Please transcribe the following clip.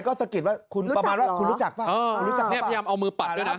ก็สะกิดว่าคุณรู้จักอ๋อเออพยายามเอามือปัดด้วยนะ